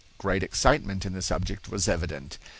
Great excitement in the subject was evident.